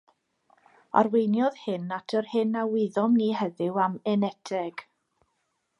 Arweiniodd hyn at yr hyn a wyddom ni heddiw am Eneteg.